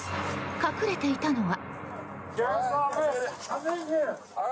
隠れていたのは。